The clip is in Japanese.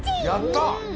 やった！